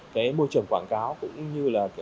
cái môi trường quảng cáo cũng như là